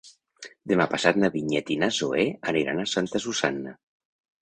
Demà passat na Vinyet i na Zoè aniran a Santa Susanna.